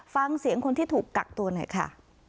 ฟังเสียงคนที่ถูกกักตัวหน่อยค่ะ